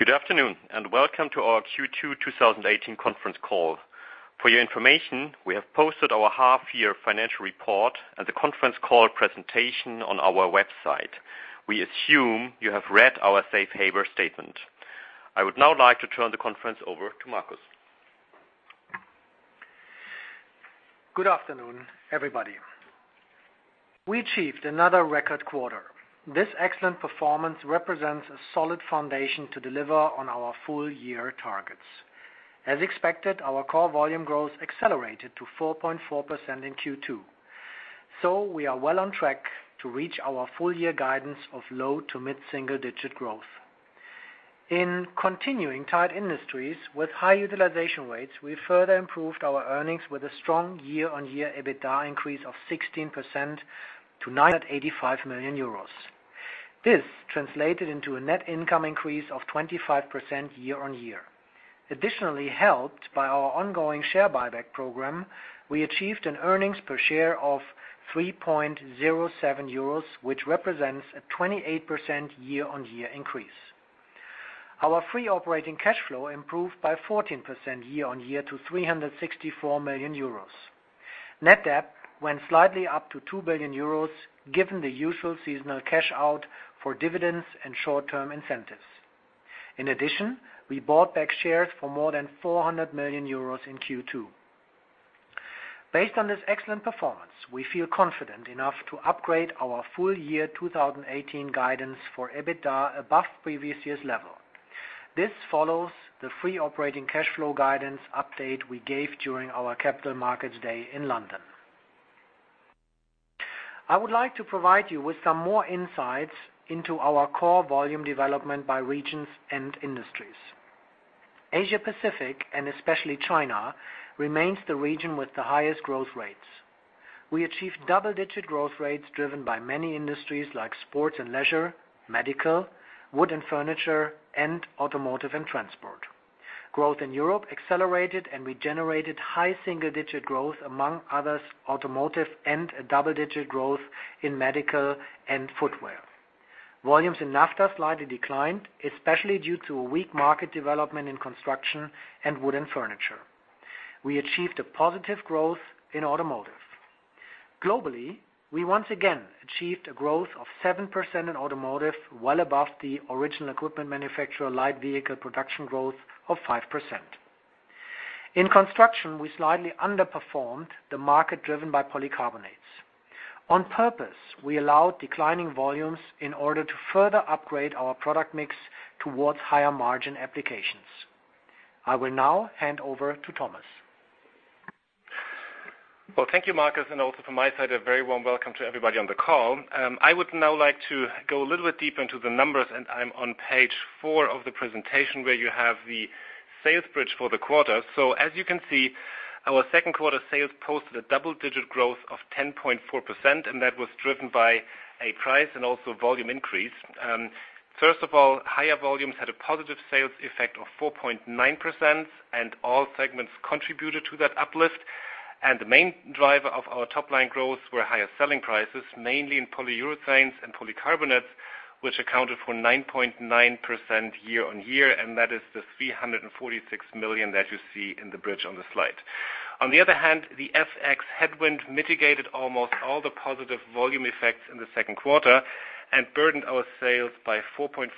Good afternoon and welcome to our Q2 2018 conference call. For your information, we have posted our half year financial report and the conference call presentation on our website. We assume you have read our safe harbor statement. I would now like to turn the conference over to Markus. Good afternoon, everybody. We achieved another record quarter. This excellent performance represents a solid foundation to deliver on our full year targets. As expected, our core volume growth accelerated to 4.4% in Q2. We are well on track to reach our full year guidance of low to mid single digit growth. In continuing tight industries with high utilization rates, we further improved our earnings with a strong year-on-year EBITDA increase of 16% to 985 million euros. This translated into a net income increase of 25% year-on-year. Additionally helped by our ongoing share buyback program, we achieved an earnings per share of 3.07 euros, which represents a 28% year-on-year increase. Our free operating cash flow improved by 14% year-on-year to 364 million euros. Net debt went slightly up to 2 billion euros, given the usual seasonal cash out for dividends and short-term incentives. In addition, we bought back shares for more than 400 million euros in Q2. Based on this excellent performance, we feel confident enough to upgrade our full year 2018 guidance for EBITDA above previous year's level. This follows the free operating cash flow guidance update we gave during our Capital Markets Day in London. I would like to provide you with some more insights into our core volume development by regions and industries. Asia-Pacific, and especially China, remains the region with the highest growth rates. We achieved double-digit growth rates driven by many industries like sports and leisure, medical, wood and furniture, and automotive and transport. Growth in Europe accelerated. We generated high single-digit growth, among others, automotive and a double-digit growth in medical and footwear. Volumes in NAFTA slightly declined, especially due to a weak market development in construction and wood and furniture. We achieved a positive growth in automotive. Globally, we once again achieved a growth of 7% in automotive, well above the original equipment manufacturer light vehicle production growth of 5%. In construction, we slightly underperformed the market driven by polycarbonates. On purpose, we allowed declining volumes in order to further upgrade our product mix towards higher margin applications. I will now hand over to Thomas. Well, thank you, Markus, also from my side, a very warm welcome to everybody on the call. I would now like to go a little bit deeper into the numbers. I am on page four of the presentation where you have the sales bridge for the quarter. As you can see, our second quarter sales posted a double-digit growth of 10.4%. That was driven by a price and also volume increase. First of all, higher volumes had a positive sales effect of 4.9%. All segments contributed to that uplift. The main driver of our top-line growth were higher selling prices, mainly in polyurethanes and polycarbonates, which accounted for 9.9% year-on-year. That is the 346 million that you see in the bridge on the slide. On the other hand, the FX headwind mitigated almost all the positive volume effects in the second quarter, burdened our sales by 4.4%.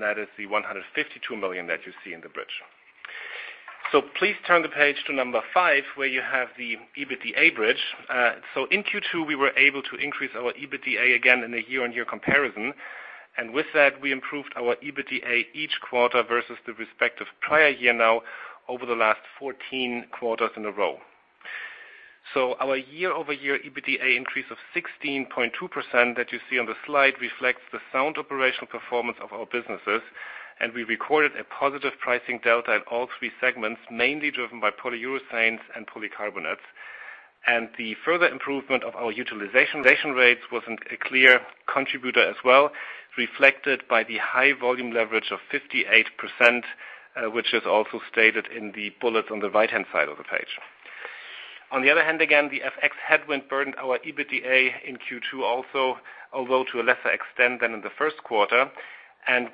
That is the 152 million that you see in the bridge. Please turn the page to number five, where you have the EBITDA bridge. In Q2, we were able to increase our EBITDA again in a year-on-year comparison. With that, we improved our EBITDA each quarter versus the respective prior year now over the last 14 quarters in a row. Our year-over-year EBITDA increase of 16.2% that you see on the slide reflects the sound operational performance of our businesses. We recorded a positive pricing delta in all three segments, mainly driven by polyurethanes and polycarbonates. The further improvement of our utilization rates was a clear contributor as well, reflected by the high volume leverage of 58%, which is also stated in the bullet on the right-hand side of the page. On the other hand, again, the FX headwind burdened our EBITDA in Q2 also, although to a lesser extent than in the first quarter.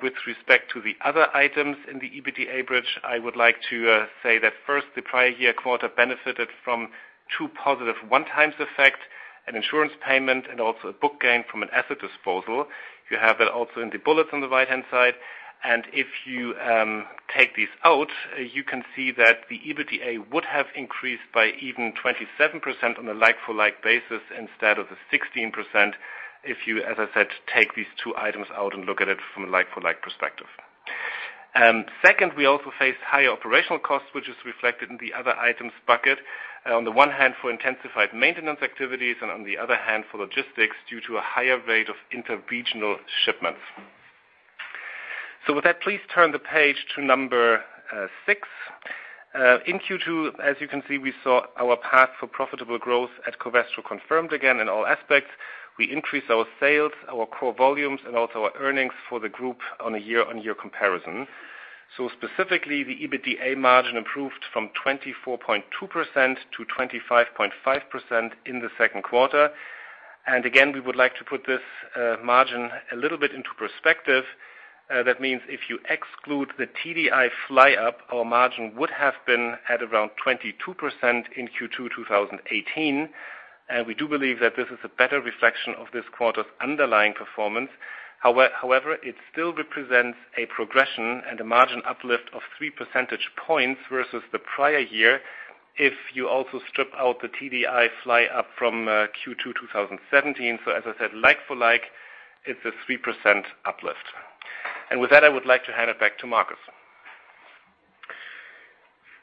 With respect to the other items in the EBITDA bridge, I would like to say that first, the prior year quarter benefited from two positive one-time effects, an insurance payment, and also a book gain from an asset disposal. You have that also in the bullet on the right-hand side. If you take these out, you can see that the EBITDA would have increased by even 27% on a like-for-like basis instead of the 16%, if you, as I said, take these two items out and look at it from a like-for-like perspective. Second, we also faced higher operational costs, which is reflected in the other items bucket. On the one hand, for intensified maintenance activities, and on the other hand, for logistics due to a higher rate of inter-regional shipments. With that, please turn the page to number six. In Q2, as you can see, we saw our path for profitable growth at Covestro confirmed again in all aspects. We increased our sales, our core volumes, and also our earnings for the group on a year-on-year comparison. Specifically, the EBITDA margin improved from 24.2%-25.5% in the second quarter. Again, we would like to put this margin a little bit into perspective. That means if you exclude the TDI fly up, our margin would have been at around 22% in Q2 2018. We do believe that this is a better reflection of this quarter's underlying performance. However, it still represents a progression and a margin uplift of three percentage points versus the prior year, if you also strip out the TDI fly up from Q2 2017. As I said, like for like, it's a 3% uplift. With that, I would like to hand it back to Markus.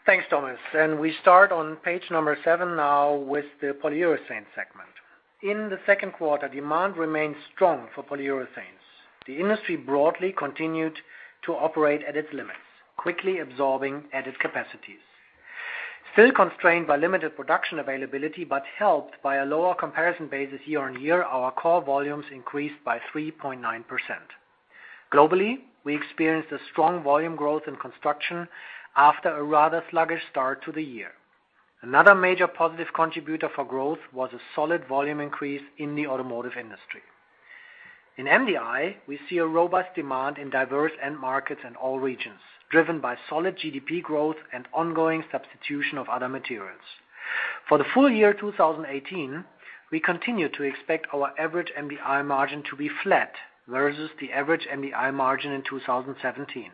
Thanks, Thomas. We start on page number seven now with the polyurethanes segment. In the second quarter, demand remained strong for polyurethanes. The industry broadly continued to operate at its limits, quickly absorbing added capacities. Still constrained by limited production availability, but helped by a lower comparison basis year-on-year, our core volumes increased by 3.9%. Globally, we experienced a strong volume growth in construction after a rather sluggish start to the year. Another major positive contributor for growth was a solid volume increase in the automotive industry. In MDI, we see a robust demand in diverse end markets in all regions, driven by solid GDP growth and ongoing substitution of other materials. For the full year 2018, we continue to expect our average MDI margin to be flat versus the average MDI margin in 2017.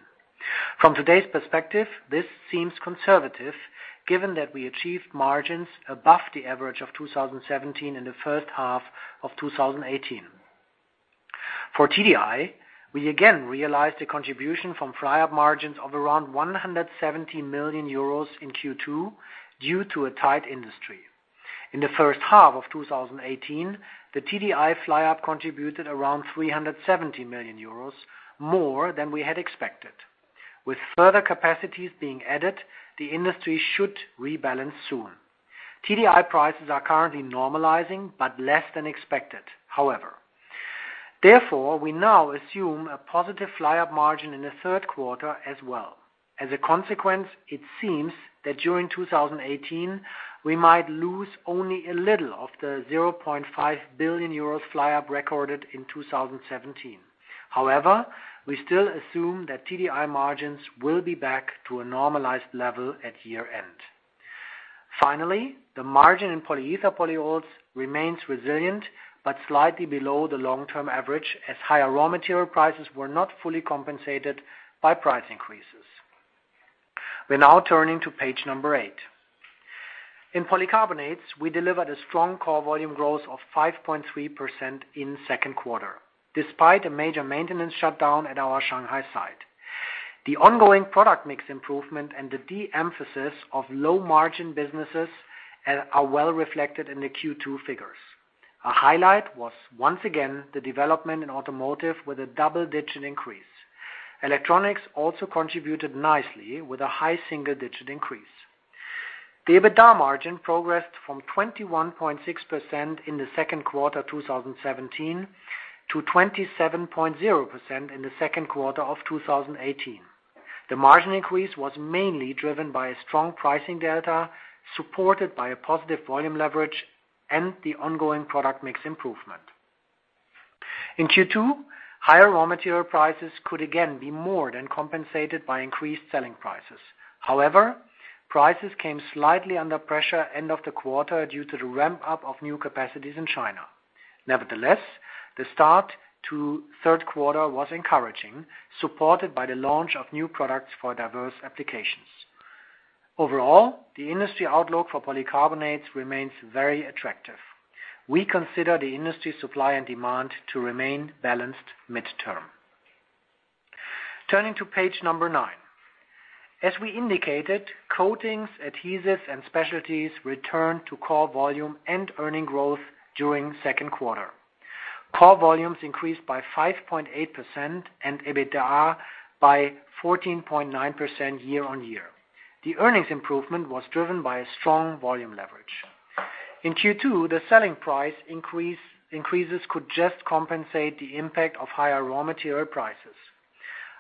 From today's perspective, this seems conservative, given that we achieved margins above the average of 2017 in the first half of 2018. For TDI, we again realized a contribution from fly up margins of around 117 million euros in Q2 due to a tight industry. In the first half of 2018, the TDI fly up contributed around 317 million euros, more than we had expected. With further capacities being added, the industry should rebalance soon. TDI prices are currently normalizing, but less than expected, however. Therefore, we now assume a positive fly up margin in the third quarter as well. As a consequence, it seems that during 2018, we might lose only a little of the 0.5 billion euros fly up recorded in 2017. However, we still assume that TDI margins will be back to a normalized level at year-end. Finally, the margin in polyether polyols remains resilient, but slightly below the long-term average, as higher raw material prices were not fully compensated by price increases. We're now turning to page number eight. In polycarbonates, we delivered a strong core volume growth of 5.3% in second quarter, despite a major maintenance shutdown at our Shanghai site. The ongoing product mix improvement and the de-emphasis of low-margin businesses are well reflected in the Q2 figures. A highlight was, once again, the development in automotive with a double-digit increase. Electronics also contributed nicely with a high single-digit increase. The EBITDA margin progressed from 21.6% in the second quarter 2017 to 27.0% in the second quarter of 2018. The margin increase was mainly driven by a strong pricing data supported by a positive volume leverage and the ongoing product mix improvement. In Q2, higher raw material prices could again be more than compensated by increased selling prices. Prices came slightly under pressure end of the quarter due to the ramp-up of new capacities in China. The start to third quarter was encouraging, supported by the launch of new products for diverse applications. Overall, the industry outlook for polycarbonates remains very attractive. We consider the industry supply and demand to remain balanced midterm. Turning to page number nine. As we indicated, coatings, adhesives, and specialties returned to core volume and earnings growth during second quarter. Core volumes increased by 5.8% and EBITDA by 14.9% year-over-year. The earnings improvement was driven by a strong volume leverage. In Q2, the selling price increases could just compensate the impact of higher raw material prices.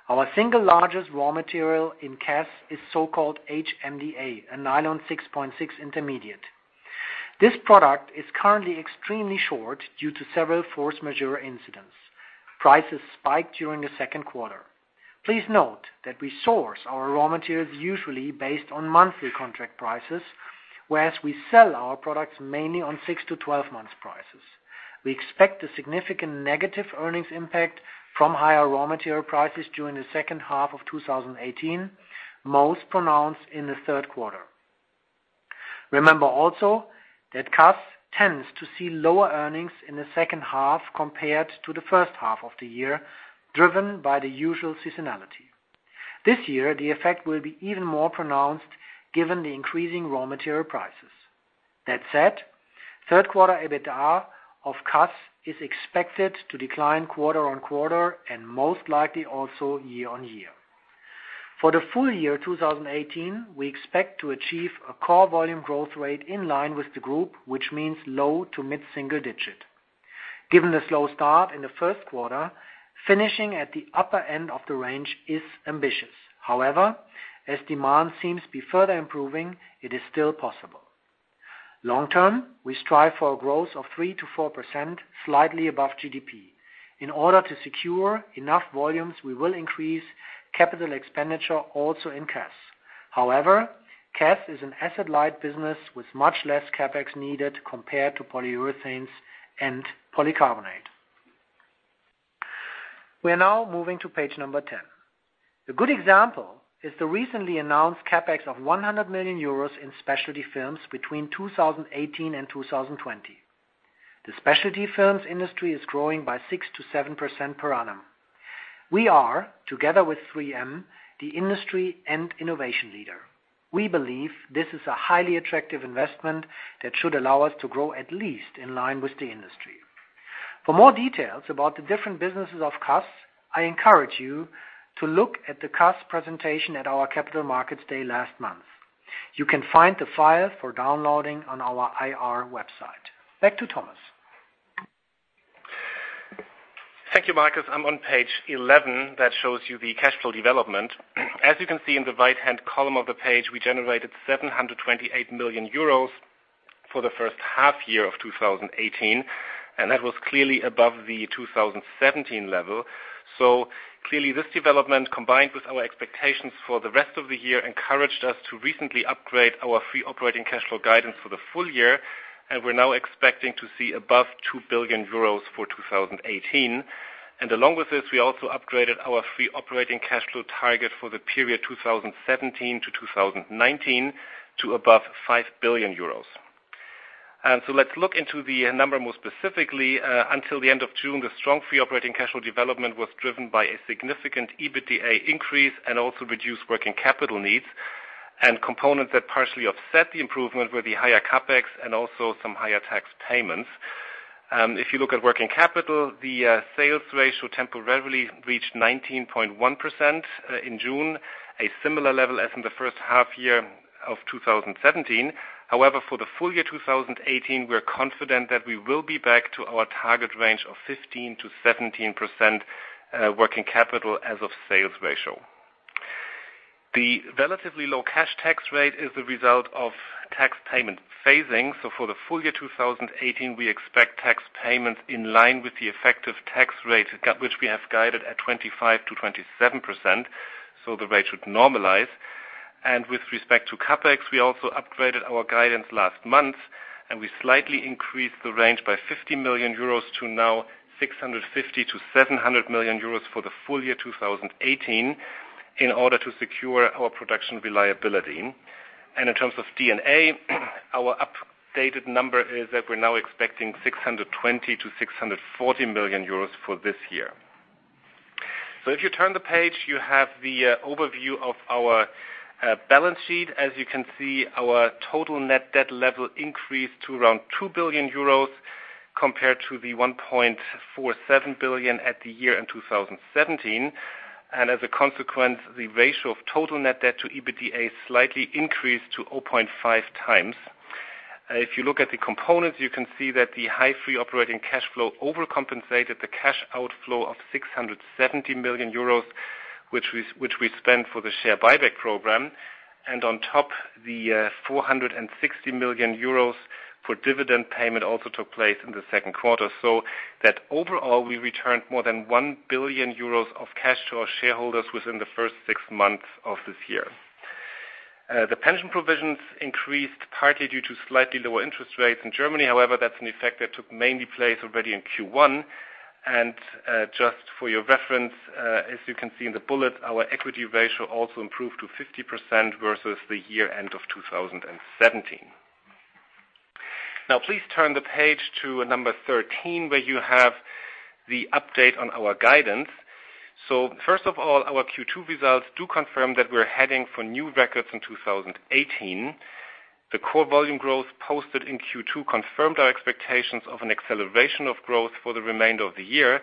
Our single largest raw material in CAS is so-called HMDA, a Nylon 6,6 intermediate. This product is currently extremely short due to several force majeure incidents. Prices spiked during the second quarter. Please note that we source our raw materials usually based on monthly contract prices, whereas we sell our products mainly on six to 12 months prices. We expect a significant negative earnings impact from higher raw material prices during the second half of 2018, most pronounced in the third quarter. Remember also that CAS tends to see lower earnings in the second half compared to the first half of the year, driven by the usual seasonality. This year, the effect will be even more pronounced given the increasing raw material prices. That said, third quarter EBITDA of CAS is expected to decline quarter-over-quarter and most likely also year-over-year. For the full year 2018, we expect to achieve a core volume growth rate in line with the group, which means low to mid single-digit. Given the slow start in the first quarter, finishing at the upper end of the range is ambitious. As demand seems to be further improving, it is still possible. Long-term, we strive for a growth of 3%-4%, slightly above GDP. In order to secure enough volumes, we will increase capital expenditure also in CAS. CAS is an asset-light business with much less CapEx needed compared to polyurethanes and polycarbonate. We are now moving to page number 10. A good example is the recently announced CapEx of 100 million euro in specialty films between 2018 and 2020. The specialty films industry is growing by 6%-7% per annum. We are, together with 3M, the industry and innovation leader. We believe this is a highly attractive investment that should allow us to grow at least in line with the industry. For more details about the different businesses of CAS, I encourage you to look at the Capital Markets Day presentation at our Capital Markets Day last month. You can find the file for downloading on our IR website. Back to Thomas. Thank you, Markus. I'm on page 11, that shows you the cash flow development. As you can see in the right-hand column of the page, we generated 728 million euros for the first half year of 2018, that was clearly above the 2017 level. Clearly this development, combined with our expectations for the rest of the year, encouraged us to recently upgrade our free operating cash flow guidance for the full year, and we're now expecting to see above 2 billion euros for 2018. Along with this, we also upgraded our free operating cash flow target for the period 2017 to 2019 to above 5 billion euros. Let's look into the number more specifically. Until the end of June, the strong free operating cash flow development was driven by a significant EBITDA increase and also reduced working capital needs. Components that partially offset the improvement were the higher CapEx and also some higher tax payments. If you look at working capital, the sales ratio temporarily reached 19.1% in June, a similar level as in the first half year of 2017. However, for the full year 2018, we are confident that we will be back to our target range of 15%-17% working capital as of sales ratio. The relatively low cash tax rate is the result of tax payment phasing. For the full year 2018, we expect tax payments in line with the effective tax rate, which we have guided at 25%-27%. The rate should normalize. With respect to CapEx, we also upgraded our guidance last month, and we slightly increased the range by 50 million euros to now 650 million-700 million euros for the full year 2018 in order to secure our production reliability. In terms of D&A, our updated number is that we're now expecting 620 million-640 million euros for this year. If you turn the page, you have the overview of our balance sheet. As you can see, our total net debt level increased to around 2 billion euros compared to the 1.47 billion at the year end 2017. As a consequence, the ratio of total net debt to EBITDA slightly increased to 0.5 times. If you look at the components, you can see that the high free operating cash flow overcompensated the cash outflow of 670 million euros, which we spent for the share buyback program, and on top, the 460 million euros for dividend payment also took place in the second quarter. Overall, we returned more than 1 billion euros of cash to our shareholders within the first six months of this year. The pension provisions increased partly due to slightly lower interest rates in Germany. However, that's an effect that took mainly place already in Q1. Just for your reference, as you can see in the bullet, our equity ratio also improved to 50% versus the year end of 2017. Now please turn the page to number 13, where you have the update on our guidance. First of all, our Q2 results do confirm that we're heading for new records in 2018. The core volume growth posted in Q2 confirmed our expectations of an acceleration of growth for the remainder of the year.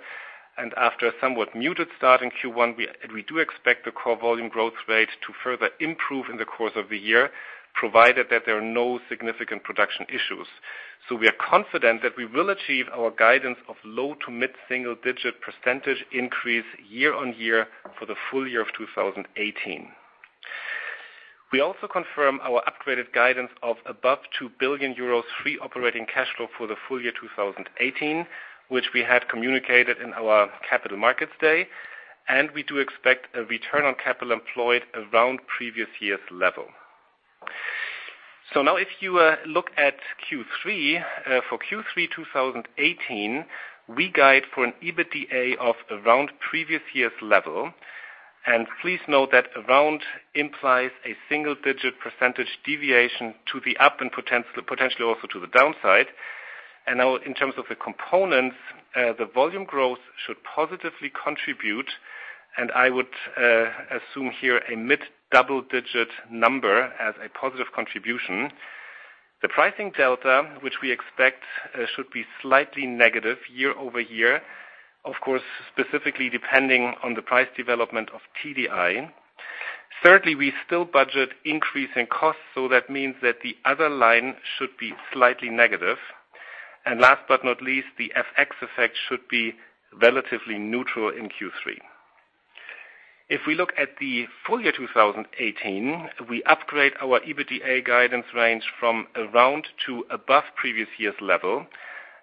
After a somewhat muted start in Q1, we do expect the core volume growth rate to further improve in the course of the year, provided that there are no significant production issues. We are confident that we will achieve our guidance of low to mid-single digit percentage increase year-on-year for the full year of 2018. We also confirm our upgraded guidance of above 2 billion euros free operating cash flow for the full year 2018, which we had communicated in our Capital Markets Day, and we do expect a return on capital employed around previous year's level. Now if you look at Q3. For Q3 2018, we guide for an EBITDA of around previous year's level. Please note that around implies a single-digit percentage deviation to the up and potentially also to the downside. Now in terms of the components, the volume growth should positively contribute, and I would assume here a mid-double-digit number as a positive contribution. The pricing delta, which we expect should be slightly negative year-over-year, of course, specifically depending on the price development of TDI. Thirdly, we still budget increasing costs, that means that the other line should be slightly negative. Last but not least, the FX effect should be relatively neutral in Q3. If we look at the full year 2018, we upgrade our EBITDA guidance range from around to above previous year's level.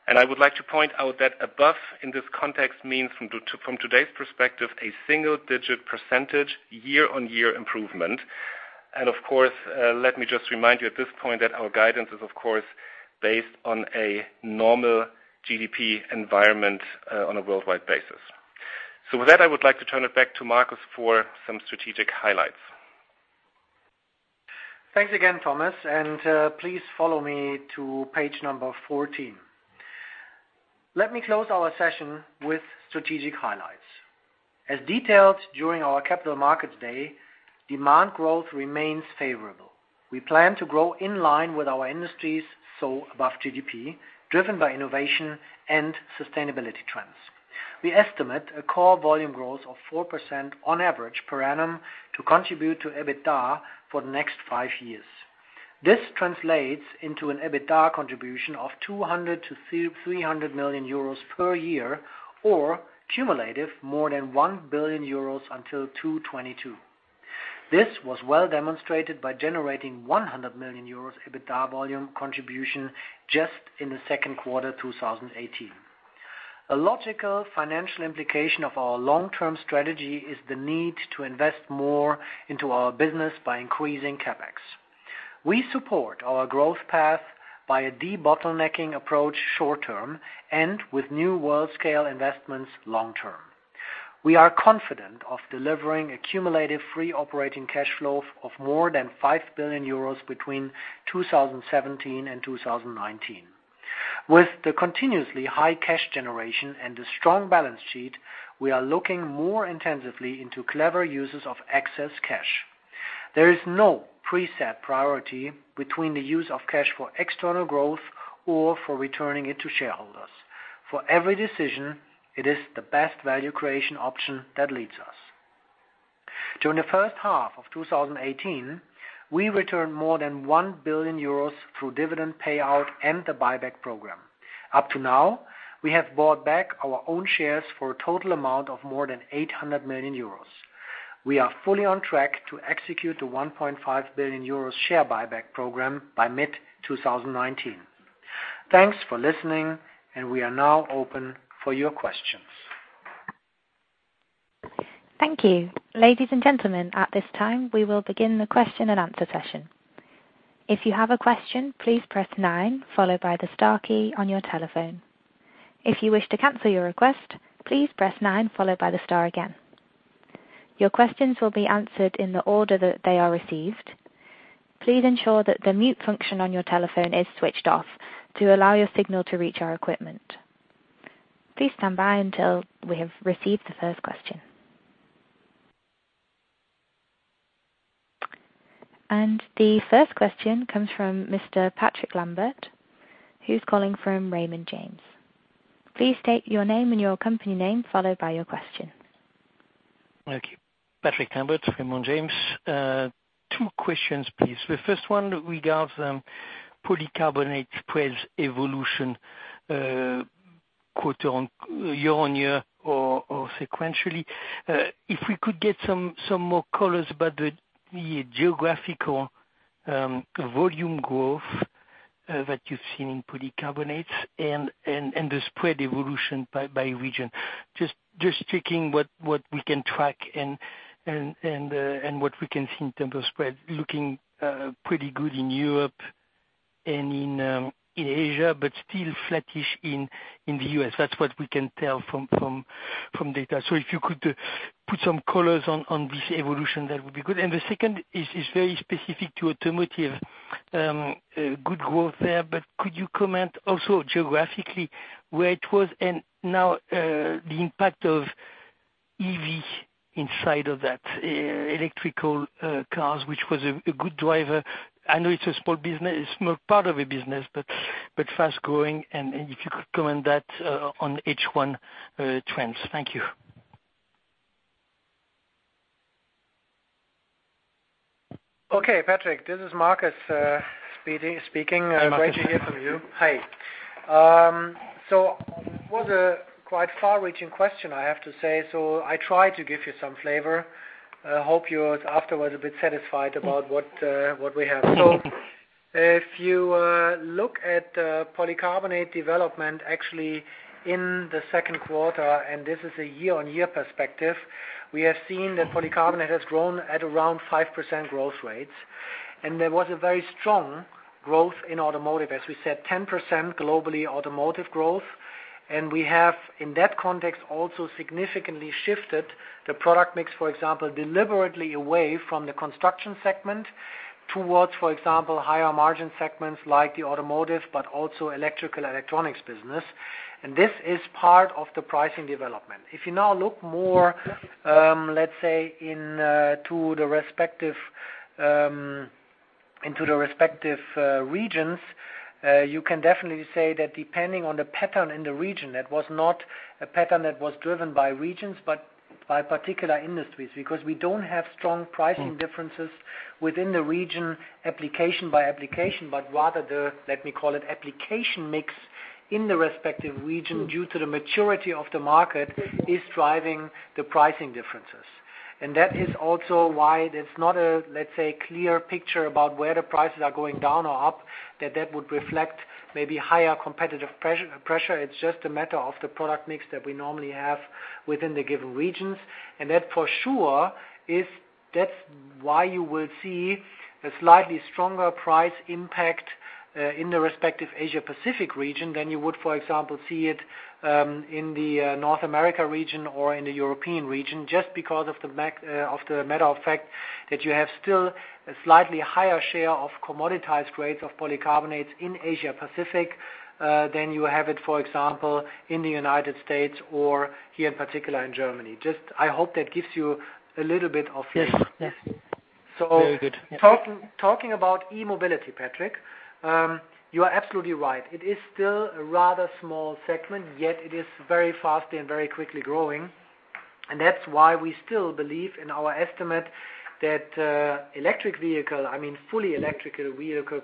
I would like to point out that above, in this context, means from today's perspective, a single-digit percentage year-on-year improvement. Of course, let me just remind you at this point that our guidance is, of course, based on a normal GDP environment on a worldwide basis. With that, I would like to turn it back to Markus for some strategic highlights. Thanks again, Thomas. Please follow me to page number 14. Let me close our session with strategic highlights. As detailed during our Capital Markets Day, demand growth remains favorable. We plan to grow in line with our industries, so above GDP, driven by innovation and sustainability trends. We estimate a core volume growth of 4% on average per annum to contribute to EBITDA for the next five years. This translates into an EBITDA contribution of 200 million to 300 million euros per year, or cumulative more than 1 billion euros until 2022. This was well demonstrated by generating 100 million euros EBITDA volume contribution just in the second quarter 2018. A logical financial implication of our long-term strategy is the need to invest more into our business by increasing CapEx. We support our growth path by a de-bottlenecking approach short-term, and with new world-scale investments long-term. We are confident of delivering a cumulative free operating cash flow of more than 5 billion euros between 2017 and 2019. With the continuously high cash generation and the strong balance sheet, we are looking more intensively into clever uses of excess cash. There is no preset priority between the use of cash for external growth or for returning it to shareholders. For every decision, it is the best value creation option that leads us. During the first half of 2018, we returned more than 1 billion euros through dividend payout and the buyback program. Up to now, we have bought back our own shares for a total amount of more than 800 million euros. We are fully on track to execute the 1.5 billion euros share buyback program by mid-2019. Thanks for listening. We are now open for your questions. Thank you. Ladies and gentlemen, at this time, we will begin the question-and-answer session. If you have a question, please press 9 followed by the star key on your telephone. If you wish to cancel your request, please press 9 followed by the star again. Your questions will be answered in the order that they are received. Please ensure that the mute function on your telephone is switched off to allow your signal to reach our equipment. Please stand by until we have received the first question. The first question comes from Mr. Patrick Lambert, who is calling from Raymond James. Please state your name and your company name, followed by your question. Okay. Patrick Lambert, Raymond James. Two questions, please. The first one regards polycarbonate spreads evolution, quote on year-on-year or sequentially. If we could get some more colors about the geographical volume growth that you have seen in polycarbonates and the spread evolution by region. Just checking what we can track and what we can see in terms of spread. Looking pretty good in Europe and in Asia, but still flattish in the U.S. That is what we can tell from data. If you could put some colors on this evolution, that would be good. The second is very specific to automotive. Good growth there, but could you comment also geographically where it was and now the impact of EV inside of that, electrical cars, which was a good driver. I know it is a small part of a business, but fast-growing. If you could comment that on H1 trends. Thank you. Okay, Patrick, this is Markus speaking. Hi, Markus. Great to hear from you. Hi. It was a quite far-reaching question, I have to say. I tried to give you some flavor. Hope you are afterwards a bit satisfied about what we have. If you look at polycarbonate development, actually in the second quarter, and this is a year-on-year perspective, we have seen that polycarbonate has grown at around 5% growth rates. There was a very strong growth in automotive. As we said, 10% globally automotive growth. We have, in that context, also significantly shifted the product mix, for example, deliberately away from the construction segment towards, for example, higher margin segments like the automotive, but also electrical and electronics business. This is part of the pricing development. If you now look more, let's say into the respective regions, you can definitely say that depending on the pattern in the region, that was not a pattern that was driven by regions, but by particular industries. We don't have strong pricing differences within the region, application by application, but rather the, let me call it, application mix in the respective region due to the maturity of the market is driving the pricing differences. That is also why there's not a, let's say, clear picture about where the prices are going down or up, that that would reflect maybe higher competitive pressure. It's just a matter of the product mix that we normally have within the given regions. That for sure, that's why you will see a slightly stronger price impact in the respective Asia Pacific region than you would, for example, see it in the North America region or in the European region. Because of the matter of fact that you have still a slightly higher share of commoditized grades of polycarbonates in Asia Pacific than you have it, for example, in the U.S. or here in particular in Germany. I hope that gives you a little bit of- Yes. Very good. Talking about e-mobility, Patrick. You are absolutely right. It is still a rather small segment, yet it is very fast and very quickly growing. That's why we still believe in our estimate that electric vehicle, I mean, fully electrical vehicle,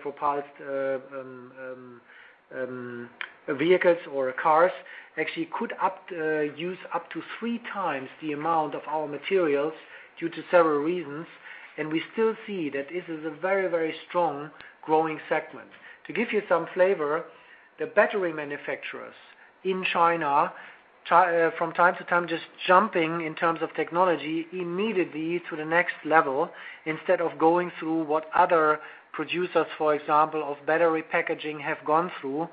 vehicles or cars, actually could use up to three times the amount of our materials due to several reasons. We still see that this is a very strong growing segment. To give you some flavor, the battery manufacturers in China, from time to time, just jumping in terms of technology immediately to the next level, instead of going through what other producers, for example, of battery packaging have gone through.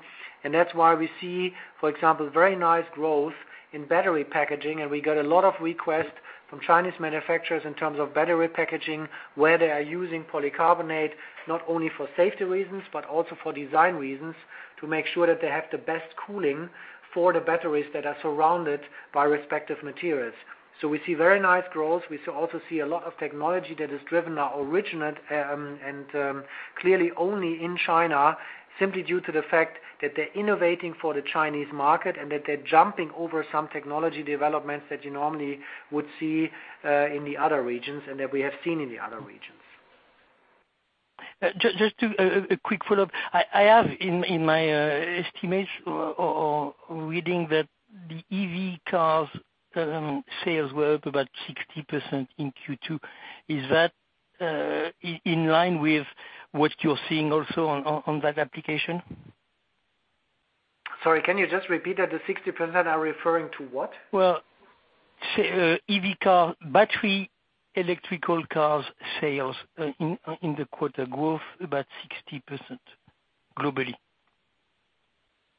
That's why we see, for example, very nice growth in battery packaging. We get a lot of requests from Chinese manufacturers in terms of battery packaging, where they are using polycarbonate, not only for safety reasons, but also for design reasons, to make sure that they have the best cooling for the batteries that are surrounded by respective materials. We see very nice growth. We also see a lot of technology that is driven now originate and clearly only in China, simply due to the fact that they're innovating for the Chinese market and that they're jumping over some technology developments that you normally would see in the other regions, and that we have seen in the other regions. Just a quick follow-up. I have in my estimates or reading that the EV cars sales were up about 60% in Q2. Is that in line with what you're seeing also on that application? Sorry, can you just repeat that? The 60% are referring to what? Well, EV car, battery electrical cars sales in the quarter growth about 60% globally.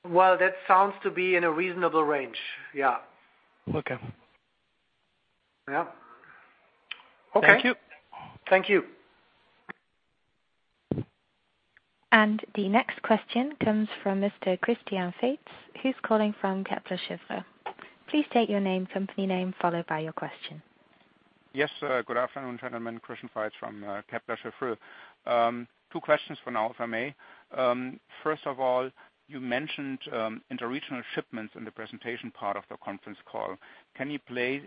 Well, that sounds to be in a reasonable range. Yeah. Okay. Yeah. Okay. Thank you. Thank you. The next question comes from Mr. Christian Faitz, who's calling from Kepler Cheuvreux. Please state your name, company name, followed by your question. Yes. Good afternoon, gentlemen. Christian Faitz from Kepler Cheuvreux. Two questions for now, if I may. First of all, you mentioned interregional shipments in the presentation part of the conference call. Can you please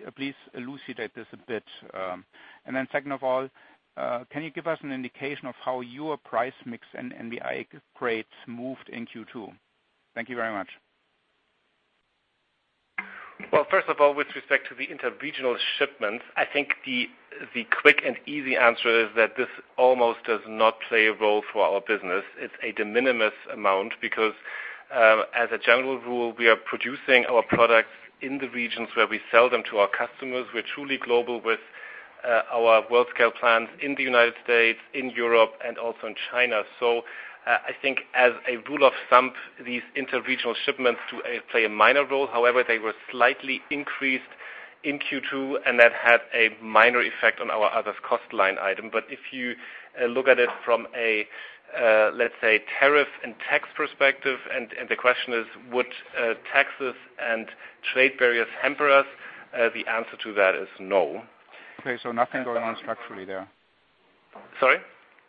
elucidate this a bit? Then second of all, can you give us an indication of how your price mix and MDI grades moved in Q2? Thank you very much. Well, first of all, with respect to the interregional shipments, I think the quick and easy answer is that this almost does not play a role for our business. It's a de minimis amount because, as a general rule, we are producing our products in the regions where we sell them to our customers. We're truly global with our world-scale plants in the U.S., in Europe and also in China. I think as a rule of thumb, these interregional shipments play a minor role. However, they were slightly increased in Q2, and that had a minor effect on our others cost line item. If you look at it from a, let's say, tariff and tax perspective, and the question is, Would taxes and trade barriers hamper us? The answer to that is no. Okay, nothing going on structurally there? Sorry?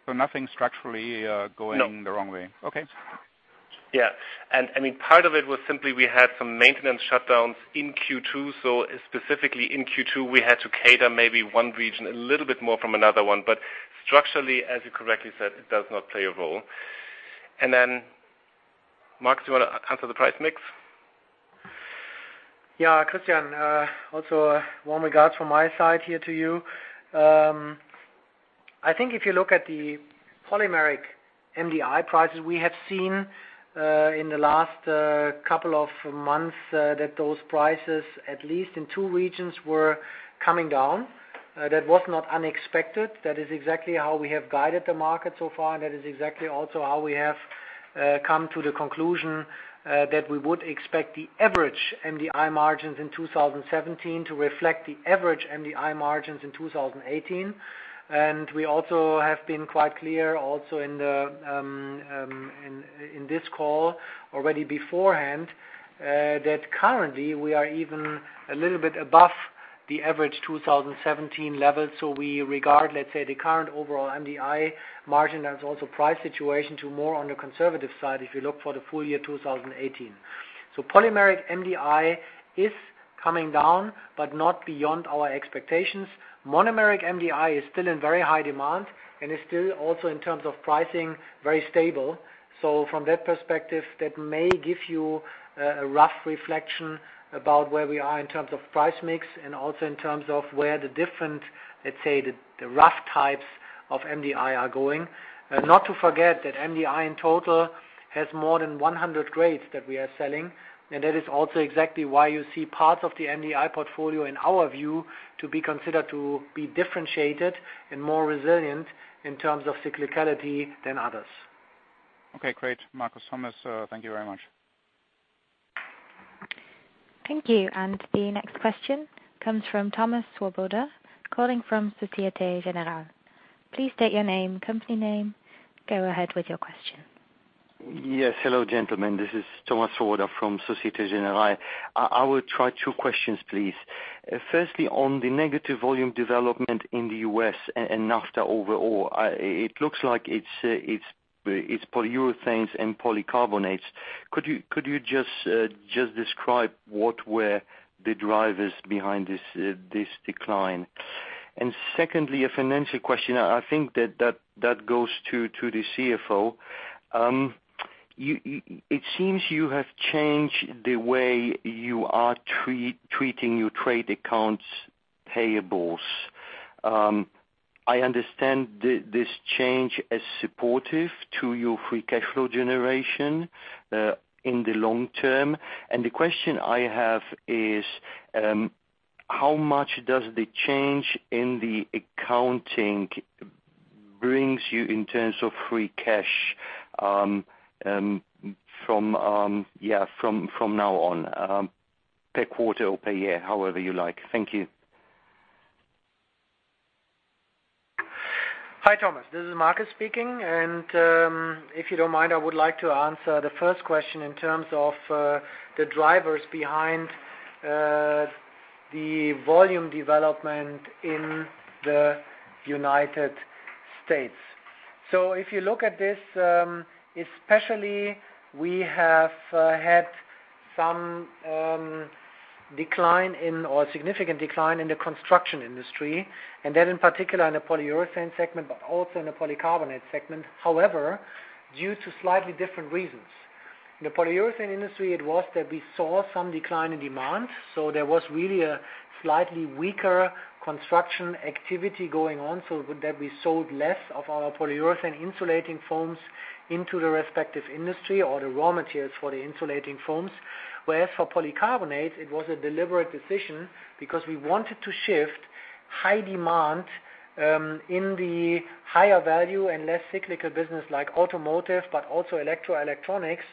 Nothing structurally going the wrong way. No. Okay. Yeah. Part of it was simply we had some maintenance shutdowns in Q2. Specifically in Q2, we had to cater maybe one region a little bit more from another one, structurally, as you correctly said, it does not play a role. Then, Mark, do you want to answer the price mix? Yeah, Christian, also warm regards from my side here to you. I think if you look at the polymeric MDI prices we have seen in the last couple of months, those prices, at least in two regions, were coming down. That was not unexpected. That is exactly how we have guided the market so far. That is exactly also how we have come to the conclusion that we would expect the average MDI margins in 2017 to reflect the average MDI margins in 2018. We also have been quite clear also in this call already beforehand, that currently we are even a little bit above The average 2017 level. We regard, let's say, the current overall MDI margin as also price situation to more on the conservative side if you look for the full year 2018. Polymeric MDI is coming down, but not beyond our expectations. Monomeric MDI is still in very high demand and is still also in terms of pricing, very stable. From that perspective, that may give you a rough reflection about where we are in terms of price mix and also in terms of where the different, let's say, the rough types of MDI are going. Not to forget that MDI in total has more than 100 grades that we are selling. That is also exactly why you see parts of the MDI portfolio in our view to be considered to be differentiated and more resilient in terms of cyclicality than others. Okay, great. Markus Thomas, thank you very much. Thank you. The next question comes from Thomas Swoboda, calling from Societe Generale. Please state your name, company name. Go ahead with your question. Yes. Hello, gentlemen. This is Thomas Swoboda from Societe Generale. I will try two questions please. Firstly, on the negative volume development in the U.S. and NAFTA overall. It looks like it is polyurethanes and polycarbonates. Could you just describe what were the drivers behind this decline? Secondly, a financial question. I think that goes to the CFO. It seems you have changed the way you are treating your trade accounts payables. I understand this change as supportive to your free cash flow generation, in the long term. The question I have is, how much does the change in the accounting brings you in terms of free cash from now on, per quarter or per year, however you like? Thank you. Hi, Thomas. This is Markus speaking. If you don't mind, I would like to answer the first question in terms of the drivers behind the volume development in the United States. If you look at this, especially we have had some decline or a significant decline in the construction industry, and that in particular in the polyurethane segment, but also in the polycarbonate segment. However, due to slightly different reasons. In the polyurethane industry, it was that we saw some decline in demand. There was really a slightly weaker construction activity going on so that we sold less of our polyurethane insulating foams into the respective industry, or the raw materials for the insulating foams. Whereas for polycarbonate, it was a deliberate decision because we wanted to shift high demand, in the higher value and less cyclical business like automotive, but also electrical and electronics,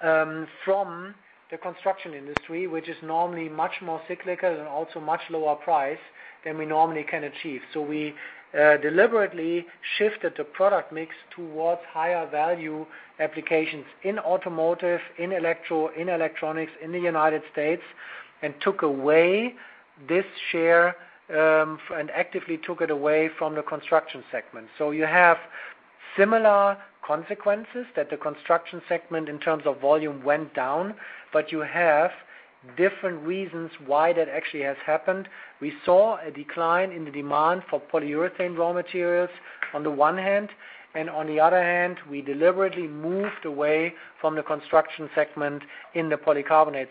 from the construction industry, which is normally much more cyclical and also much lower price than we normally can achieve. We deliberately shifted the product mix towards higher value applications in automotive, in electro, in electronics in the United States, and took away this share, and actively took it away from the construction segment. You have similar consequences that the construction segment in terms of volume went down, but you have different reasons why that actually has happened. We saw a decline in the demand for polyurethane raw materials on the one hand, and on the other hand, we deliberately moved away from the construction segment in the polycarbonates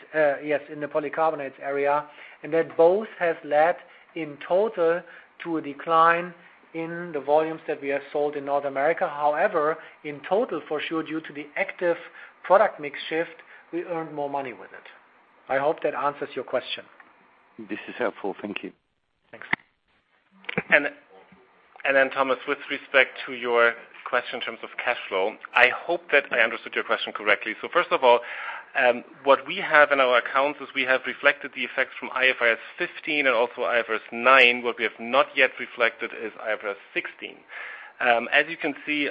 area. That both has led in total to a decline in the volumes that we have sold in North America. However, in total, for sure, due to the active product mix shift, we earned more money with it. I hope that answers your question. This is helpful. Thank you. Thanks. Thomas, with respect to your question in terms of cash flow, I hope that I understood your question correctly. First of all, what we have in our accounts is we have reflected the effects from IFRS 15 and also IFRS 9. What we have not yet reflected is IFRS 16. As you can see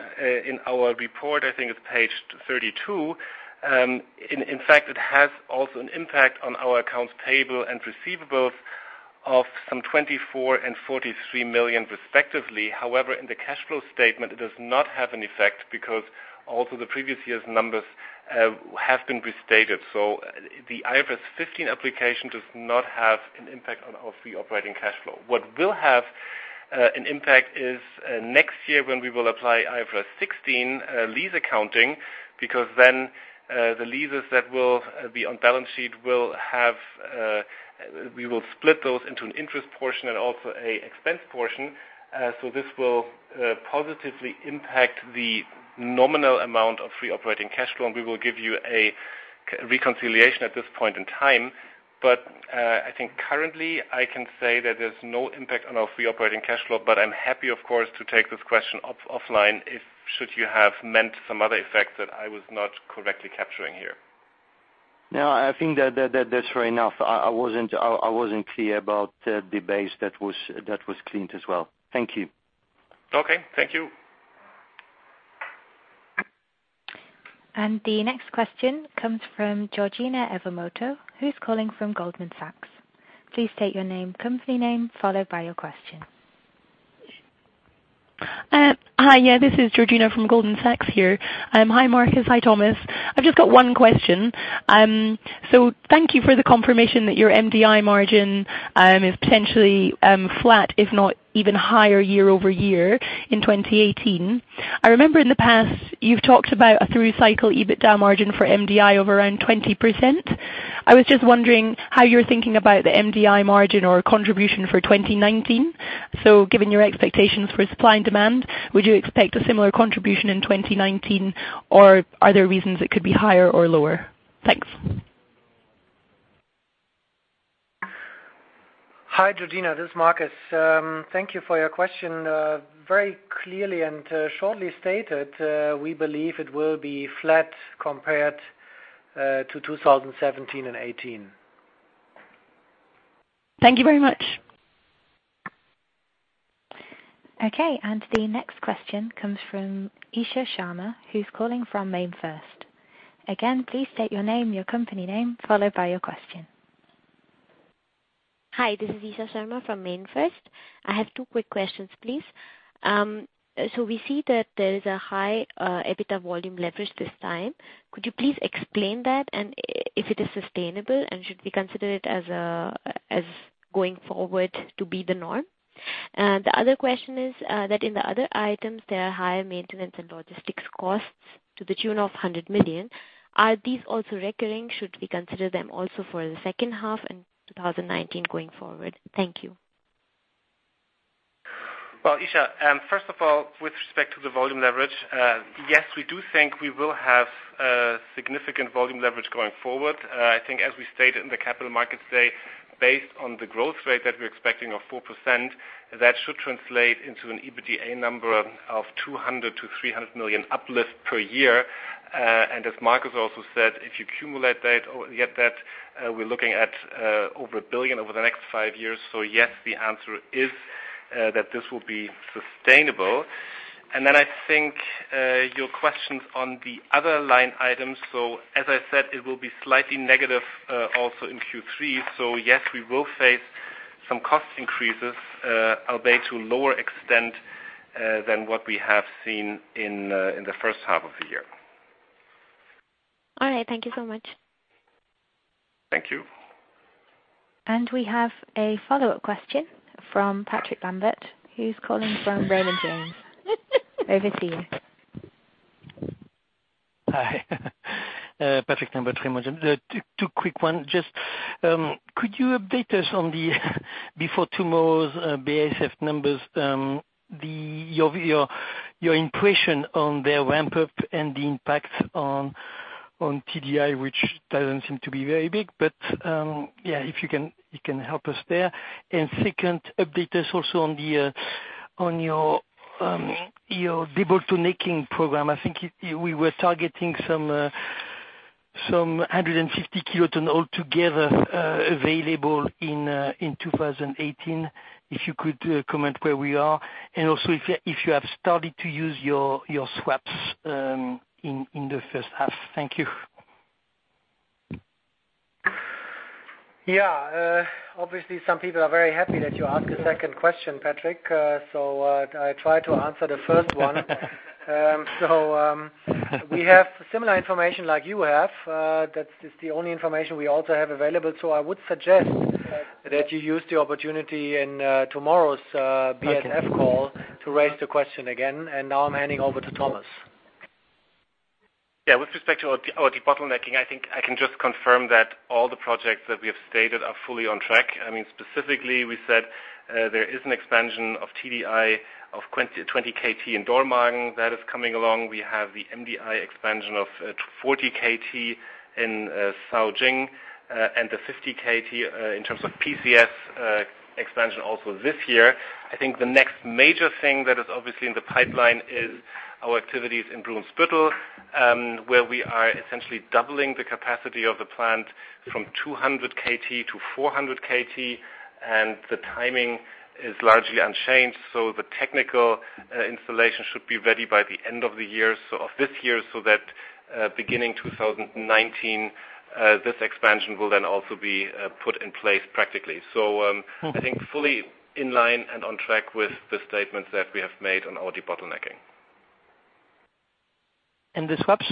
in our report, I think it's page 32. In fact, it has also an impact on our accounts payable and receivables of some 24 million and 43 million respectively. However, in the cash flow statement, it does not have an effect because also the previous year's numbers have been restated. The IFRS 15 application does not have an impact on our free operating cash flow. What will have an impact is next year when we will apply IFRS 16 lease accounting, because then the leases that will be on balance sheet, we will split those into an interest portion and also an expense portion. This will positively impact the nominal amount of free operating cash flow, and we will give you a reconciliation at this point in time. I think currently I can say that there's no impact on our free operating cash flow. I'm happy of course to take this question offline should you have meant some other effect that I was not correctly capturing here. No, I think that's fair enough. I wasn't clear about the base that was cleaned as well. Thank you. Okay. Thank you The next question comes from Georgina Iwamoto, who's calling from Goldman Sachs. Please state your name, company name, followed by your question. Hi. Yeah, this is Georgina from Goldman Sachs here. Hi, Markus. Hi, Thomas. I've just got one question. Thank you for the confirmation that your MDI margin is potentially flat, if not even higher year-over-year in 2018. I remember in the past, you've talked about a through cycle EBITDA margin for MDI of around 20%. I was just wondering how you're thinking about the MDI margin or contribution for 2019. Given your expectations for supply and demand, would you expect a similar contribution in 2019, or are there reasons it could be higher or lower? Thanks. Hi, Georgina, this is Markus. Thank you for your question. Very clearly and shortly stated, we believe it will be flat compared to 2017 and 2018. Thank you very much. Okay. The next question comes from Isha Sharma, who's calling from MainFirst. Again, please state your name, your company name, followed by your question. Hi, this is Isha Sharma from MainFirst. I have two quick questions, please. We see that there is a high EBITDA volume leverage this time. Could you please explain that and if it is sustainable and should we consider it as going forward to be the norm? The other question is that in the other items, there are higher maintenance and logistics costs to the tune of 100 million. Are these also recurring? Should we consider them also for the second half and 2019 going forward? Thank you. Well, Isha, first of all, with respect to the volume leverage, yes, we do think we will have significant volume leverage going forward. I think as we stated in the capital markets day, based on the growth rate that we're expecting of 4%, that should translate into an EBITDA number of 200 million-300 million uplift per year. As Markus also said, if you cumulate that or get that, we're looking at over 1 billion over the next five years. Yes, the answer is that this will be sustainable. I think, your questions on the other line items. As I said, it will be slightly negative, also in Q3. Yes, we will face some cost increases, albeit to a lower extent than what we have seen in the first half of the year. All right. Thank you so much. Thank you. We have a follow-up question from Patrick Lambert, who's calling from Raymond James. Over to you. Hi. Patrick Lambert, Raymond James. Two quick one. Just could you update us on the before tomorrow's BASF numbers, your impression on their ramp-up and the impact on TDI, which doesn't seem to be very big, but if you can help us there. Second, update us also on your de-bottlenecking program. I think we were targeting some 150 kiloton altogether, available in 2018. If you could comment where we are and also if you have started to use your swaps in the first half. Thank you. Yeah. Obviously, some people are very happy that you asked a second question, Patrick. I try to answer the first one. We have similar information like you have. That's the only information we also have available. I would suggest that you use the opportunity in tomorrow's BASF call. Okay To raise the question again. Now I'm handing over to Thomas. Yeah. With respect to our de-bottlenecking, I think I can just confirm that all the projects that we have stated are fully on track. Specifically, we said there is an expansion of TDI of 20 KT in Dormagen. That is coming along. We have the MDI expansion of 40 KT in Caojing, and the 50 KT in terms of PCS expansion also this year. I think the next major thing that is obviously in the pipeline is our activities in Brunsbüttel, where we are essentially doubling the capacity of the plant from 200 KT to 400 KT, and the timing is largely unchanged. The technical installation should be ready by the end of this year, so that beginning 2019, this expansion will then also be put in place practically. I think fully in line and on track with the statements that we have made on our de-bottlenecking. The swaps?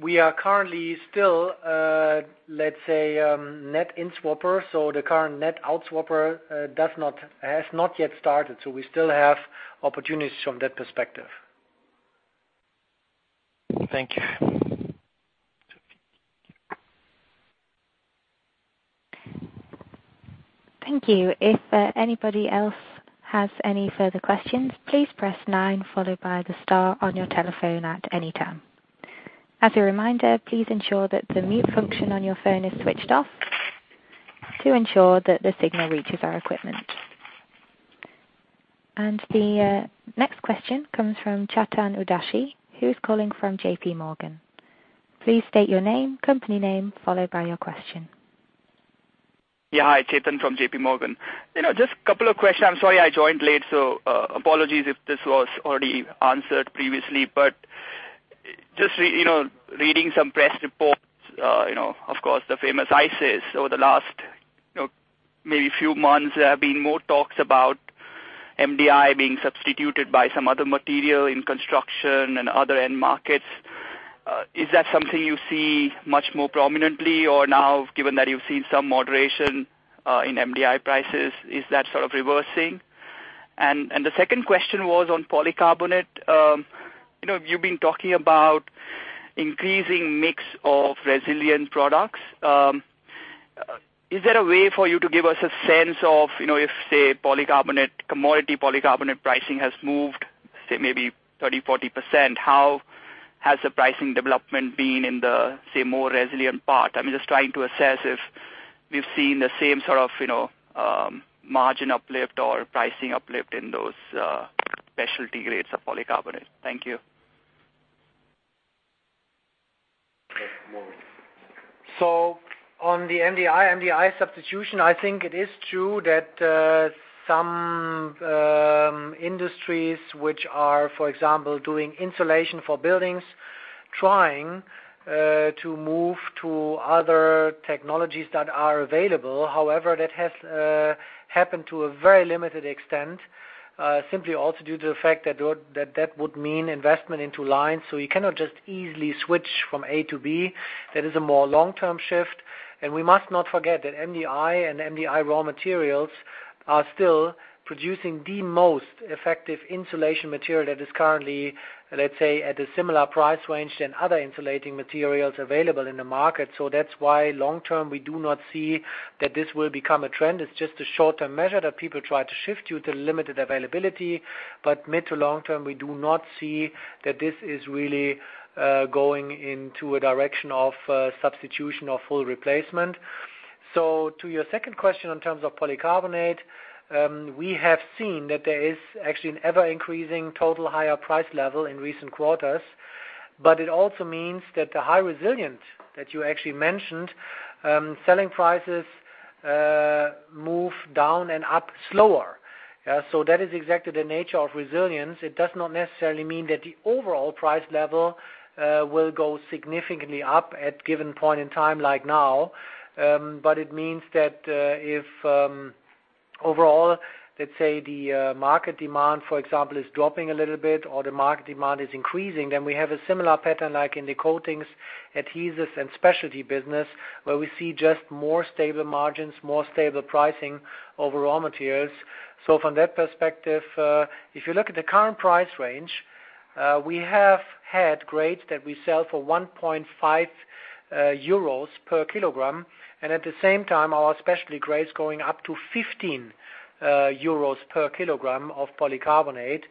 We are currently still, let's say, net in-swapper. The current net out-swapper has not yet started, we still have opportunities from that perspective. Thank you. Thank you. If anybody else has any further questions, please press nine followed by the star on your telephone at any time. As a reminder, please ensure that the mute function on your phone is switched off to ensure that the signal reaches our equipment. The next question comes from Chetan Udeshi, who's calling from JPMorgan. Please state your name, company name, followed by your question. Yeah. Hi, Chetan from J.P. Morgan. Just a couple of questions. I'm sorry I joined late, apologies if this was already answered previously. Just reading some press reports, of course, the famous ICIS over the last maybe few months, there have been more talks about MDI being substituted by some other material in construction and other end markets. Is that something you see much more prominently or now, given that you've seen some moderation in MDI prices, is that sort of reversing? The second question was on polycarbonate. You've been talking about increasing mix of resilient products. Is there a way for you to give us a sense of, if, say, commodity polycarbonate pricing has moved, say, maybe 30%-40%, how has the pricing development been in the, say, more resilient part? I'm just trying to assess if we've seen the same sort of margin uplift or pricing uplift in those specialty grades of polycarbonate. Thank you. On the MDI substitution, I think it is true that some industries which are, for example, doing insulation for buildings, trying to move to other technologies that are available. However, that has happened to a very limited extent. Simply also due to the fact that that would mean investment into lines. You cannot just easily switch from A to B. That is a more long-term shift. We must not forget that MDI and MDI raw materials are still producing the most effective insulation material that is currently, let's say, at a similar price range than other insulating materials available in the market. That's why long-term, we do not see that this will become a trend. It's just a short-term measure that people try to shift due to limited availability. Mid to long-term, we do not see that this is really going into a direction of substitution or full replacement. To your second question in terms of polycarbonate, we have seen that there is actually an ever-increasing total higher price level in recent quarters. It also means that the high resilient that you actually mentioned, selling prices move down and up slower. That is exactly the nature of resilience. It does not necessarily mean that the overall price level will go significantly up at a given point in time like now. It means that if overall, let's say the market demand, for example, is dropping a little bit or the market demand is increasing, then we have a similar pattern like in the coatings, adhesives, and specialty business, where we see just more stable margins, more stable pricing over raw materials. From that perspective, if you look at the current price range, we have had grades that we sell for 1.5 euros per kilogram, and at the same time, our specialty grades going up to 15 euros per kilogram of polycarbonate.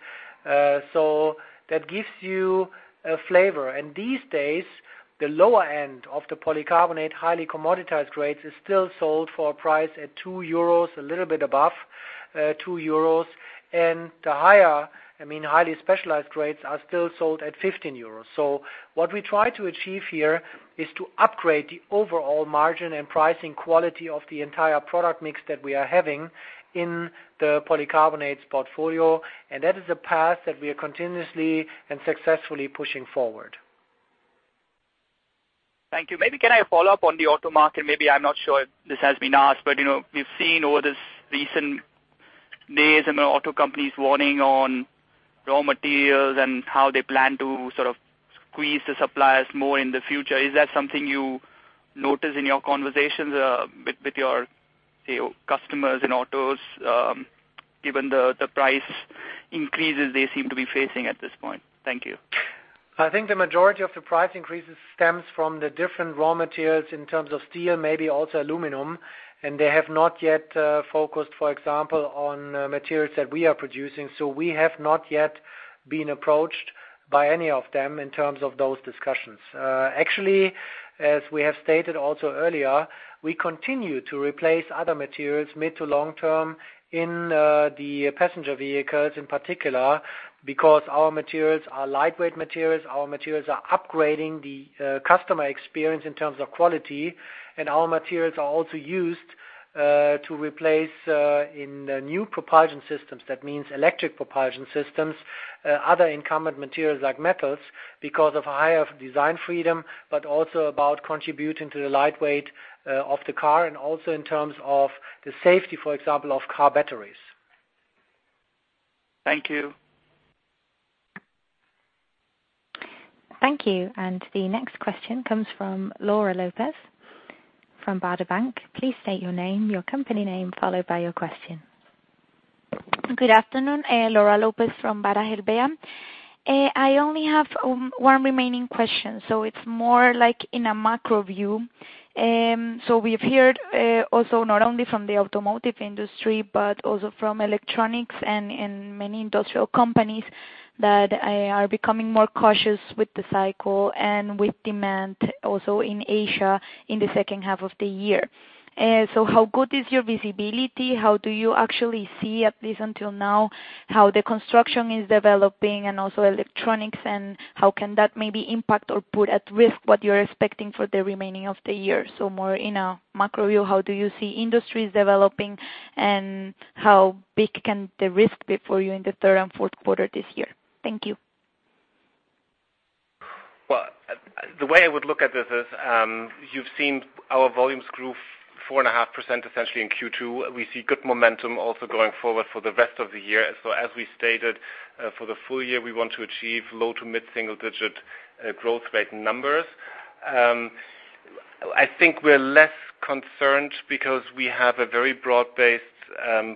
That gives you a flavor. These days, the lower end of the polycarbonate, highly commoditized grades, is still sold for a price at 2 euros, a little bit above 2 euros. The higher, highly specialized grades are still sold at 15 euros. What we try to achieve here is to upgrade the overall margin and pricing quality of the entire product mix that we are having in the polycarbonates portfolio. That is a path that we are continuously and successfully pushing forward. Thank you. Maybe can I follow up on the auto market? Maybe I'm not sure if this has been asked, we've seen over these recent days, auto companies warning on raw materials and how they plan to sort of squeeze the suppliers more in the future. Is that something you notice in your conversations with your customers in autos, given the price increases they seem to be facing at this point? Thank you. I think the majority of the price increases stems from the different raw materials in terms of steel, maybe also aluminum, they have not yet focused, for example, on materials that we are producing. We have not yet been approached by any of them in terms of those discussions. Actually, as we have stated also earlier, we continue to replace other materials mid to long-term in the passenger vehicles in particular, because our materials are lightweight materials, our materials are upgrading the customer experience in terms of quality, our materials are also used to replace in new propulsion systems. That means electric propulsion systems, other incumbent materials like metals, because of higher design freedom, also about contributing to the light weight of the car and also in terms of the safety, for example, of car batteries. Thank you. Thank you. The next question comes from Laura Lopez from Baader Bank. Please state your name, your company name, followed by your question. Good afternoon. Laura Lopez from Baader Bank. I only have one remaining question. It's more like in a macro view. We've heard also not only from the automotive industry, but also from electronics and in many industrial companies that are becoming more cautious with the cycle and with demand also in Asia in the second half of the year. How good is your visibility? How do you actually see, at least until now, how the construction is developing and also electronics, and how can that maybe impact or put at risk what you're expecting for the remaining of the year? More in a macro view, how do you see industries developing, and how big can the risk be for you in the third and fourth quarter this year? Thank you. Well, the way I would look at this is, you've seen our volumes grew 4.5% essentially in Q2. We see good momentum also going forward for the rest of the year. As we stated for the full year, we want to achieve low to mid single digit growth rate numbers. I think we're less concerned because we have a very broad-based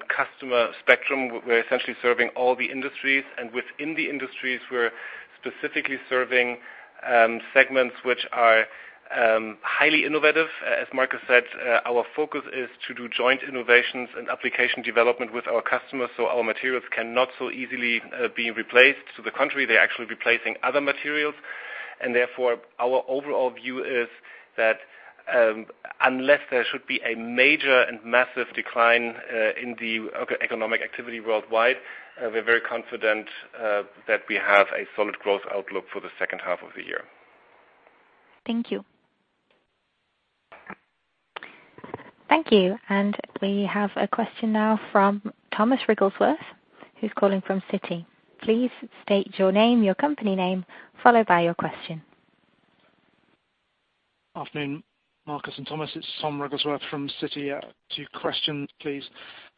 customer spectrum. We're essentially serving all the industries, and within the industries, we're specifically serving segments which are highly innovative. As Markus said, our focus is to do joint innovations and application development with our customers so our materials cannot so easily be replaced. To the contrary, they're actually replacing other materials. Therefore, our overall view is that unless there should be a major and massive decline in the economic activity worldwide, we're very confident that we have a solid growth outlook for the second half of the year. Thank you. Thank you. We have a question now from Thomas Wrigglesworth, who is calling from Citi. Please state your name, your company name, followed by your question. Afternoon, Markus and Thomas. It's Tom Wrigglesworth from Citi. Two questions, please.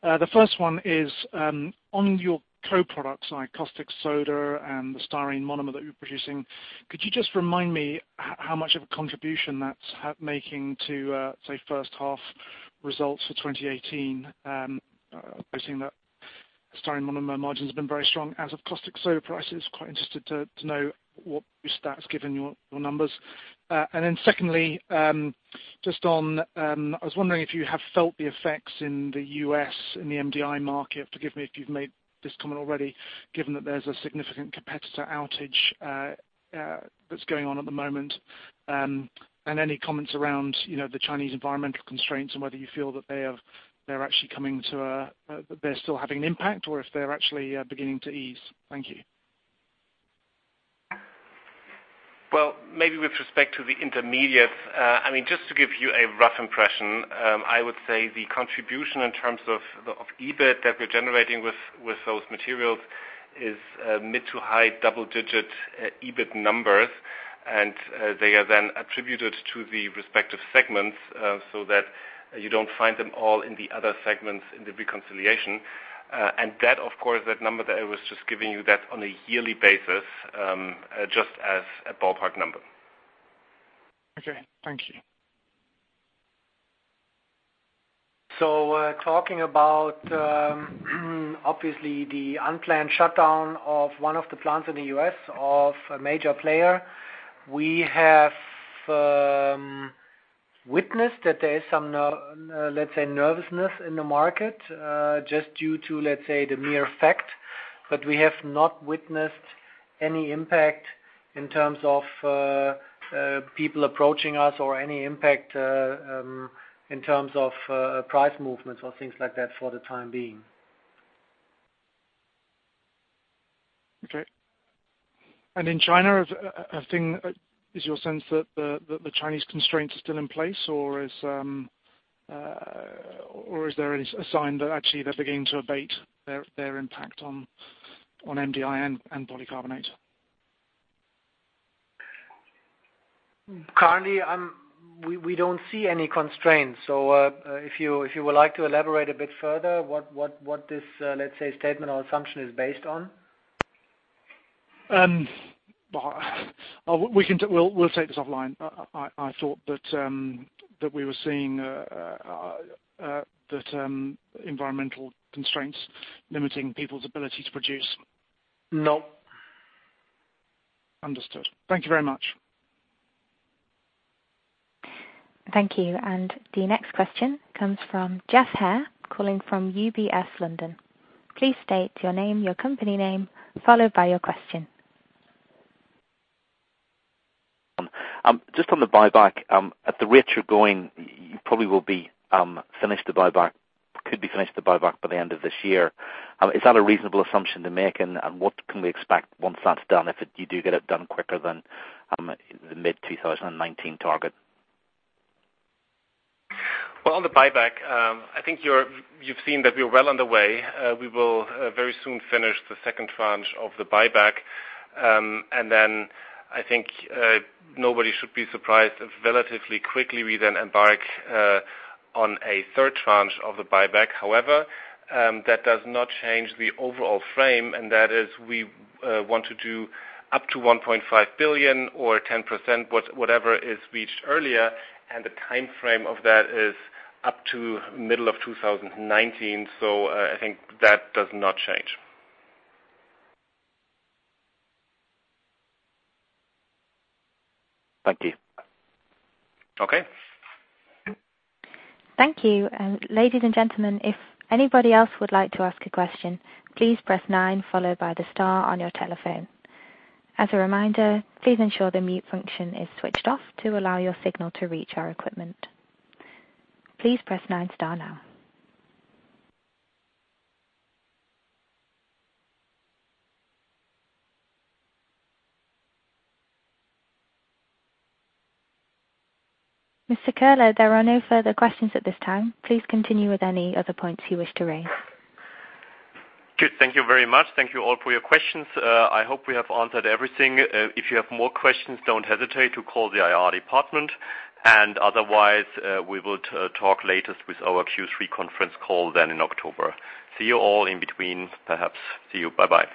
The first one i s, on your co-products like caustic soda and the styrene monomer that you're producing, could you just remind me how much of a contribution that's making to, say, first half results for 2018? I've seen that styrene monomer margin's been very strong as have caustic soda prices. Quite interested to know what boost that's given your numbers. Secondly, I was wondering if you have felt the effects in the U.S. in the MDI market, forgive me if you've made this comment already, given that there's a significant competitor outage that's going on at the moment. Any comments around the Chinese environmental constraints and whether you feel that they're still having an impact or if they're actually beginning to ease. Thank you. Well, maybe with respect to the intermediates. Just to give you a rough impression, I would say the contribution in terms of EBIT that we're generating with those materials is mid to high double-digit EBIT numbers. They are then attributed to the respective segments so that you don't find them all in the other segments in the reconciliation. That, of course, that number that I was just giving you, that's on a yearly basis, just as a ballpark number. Okay. Thank you. Talking about, obviously, the unplanned shutdown of one of the plants in the U.S. of a major player. We have witnessed that there is some, let's say, nervousness in the market, just due to, let's say, the mere fact. We have not witnessed any impact in terms of people approaching us or any impact in terms of price movements or things like that for the time being. Okay. In China, is your sense that the Chinese constraints are still in place, or is there any sign that actually they're beginning to abate their impact on MDI and polycarbonates? Currently, we don't see any constraints. If you would like to elaborate a bit further what this, let's say, statement or assumption is based on. We'll take this offline. I thought that we were seeing that environmental constraints limiting people's ability to produce. No. Understood. Thank you very much. Thank you. The next question comes from Geoff Haire, calling from UBS London. Please state your name, your company name, followed by your question. Just on the buyback. At the rate you're going, you probably will finish the buyback, could be finished the buyback by the end of this year. Is that a reasonable assumption to make, and what can we expect once that's done, if you do get it done quicker than the mid-2019 target? Well, on the buyback, I think you've seen that we're well underway. We will very soon finish the second tranche of the buyback. I think nobody should be surprised if relatively quickly we then embark on a third tranche of the buyback. That does not change the overall frame, and that is we want to do up to 1.5 billion or 10%, whatever is reached earlier, and the timeframe of that is up to middle of 2019. I think that does not change. Thank you. Okay. Thank you. Ladies and gentlemen, if anybody else would like to ask a question, please press nine followed by the star on your telephone. As a reminder, please ensure the mute function is switched off to allow your signal to reach our equipment. Please press nine star now. Mr. Koehler, there are no further questions at this time. Please continue with any other points you wish to raise. Good. Thank you very much. Thank you all for your questions. I hope we have answered everything. If you have more questions, don't hesitate to call the IR department. Otherwise, we will talk later with our Q3 conference call then in October. See you all in between, perhaps. See you. Bye-bye.